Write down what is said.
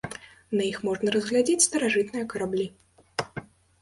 На іх можна разгледзець старажытныя караблі.